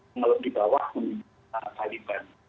kalau di bawah taliban